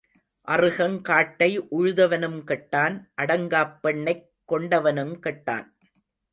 அறுகங் காட்டை உழுதவனும் கெட்டான் அடங்காப் பெண்ணைக் கொண்டவனும் கெட்டான்.